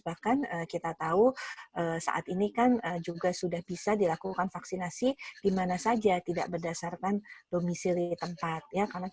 bahkan kita tahu saat ini kan juga sudah bisa dilakukan vaksinasi di mana saja tidak berdasarkan domisili tempat